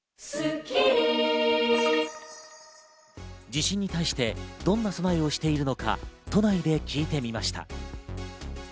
地震に対してどんな備えをしているのか、都内で聞いてみました。